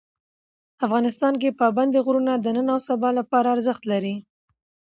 افغانستان کې پابندي غرونه د نن او سبا لپاره ارزښت لري.